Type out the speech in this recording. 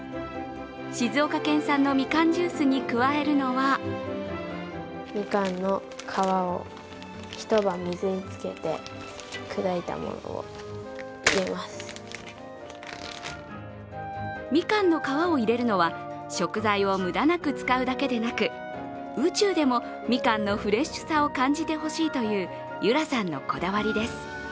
静岡県産のみかんジュースに加えるのはみかんの皮を入れるのは食材を無駄なく使うだけでなく宇宙でもみかんのフレッシュさを感じてほしいという結桜さんのこだわりです。